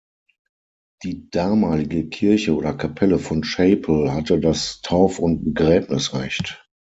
Die damalige Kirche oder Kapelle von Chapel hatte das Tauf- und Begräbnisrecht.